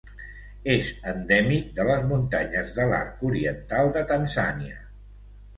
És endèmic de les muntanyes de l'Arc Oriental de Tanzània.